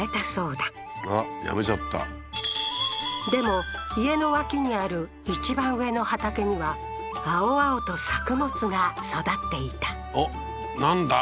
だあっやめちゃったでも家の脇にある一番上の畑には青々と作物が育っていたおっなんだ？